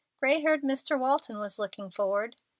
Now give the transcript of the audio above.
Gray haired Mr. Walton was looking forward.